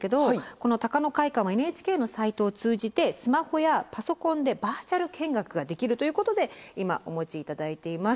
この高野会館はＮＨＫのサイトを通じてスマホやパソコンでバーチャル見学ができるということで今お持ち頂いています。